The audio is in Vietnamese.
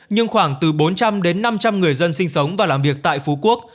nhưng khoảng từ bốn trăm linh đến năm trăm linh người dân sinh sống và làm việc tại phú quốc